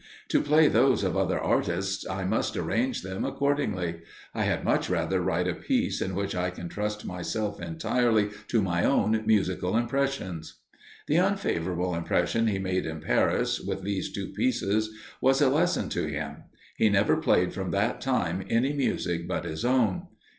To play those of other artists, I must arrange them accordingly: I had much rather write a piece in which I can trust myself entirely to my own musical impressions." The unfavourable impression he made in Paris, with these two pieces, was a lesson to him; he never played from that time any music but his own.